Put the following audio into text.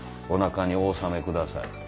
おなかにお納めください。